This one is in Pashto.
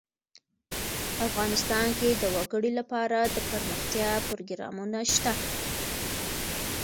افغانستان کې د وګړي لپاره دپرمختیا پروګرامونه شته.